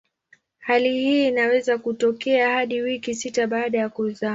Hali hii inaweza kutokea hadi wiki sita baada ya kuzaa.